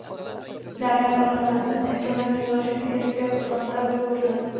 Dámy a pánové, nemůžeme vyzvat všechny irské poslance, aby hovořili.